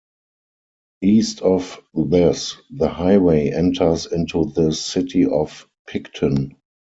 East of this, the highway enters into the city of Picton.